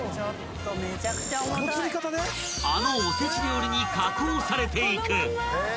［あのおせち料理に加工されていく］